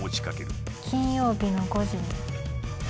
金曜日の５時に。